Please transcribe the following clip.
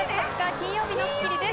金曜日の『スッキリ』です。